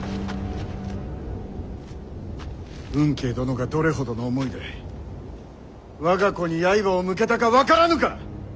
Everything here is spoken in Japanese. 吽慶殿がどれほどの思いで我が子に刃を向けたか分からぬか！